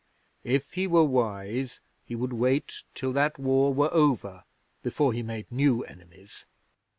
If he were wise he would wait till that war were over before he made new enemies.